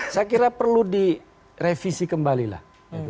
saya kira perlu direvisi kembali lah